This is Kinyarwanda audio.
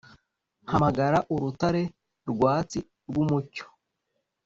hamagara urutare rwatsi rwumucyo.